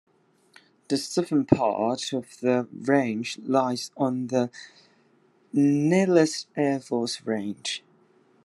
The southern part of the range lies on the Nellis Air Force Range.